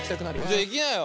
じゃあいきなよ！